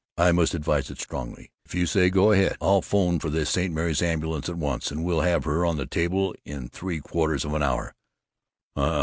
I must advise it strongly. If you say go ahead, I'll 'phone for the St. Mary's ambulance at once, and we'll have her on the table in three quarters of an hour."